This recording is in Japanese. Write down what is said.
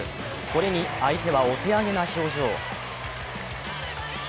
これに相手はお手上げな表情。